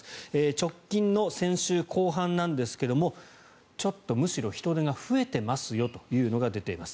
直近の先週後半ですがちょっとむしろ人出が増えてますよというのが出ています。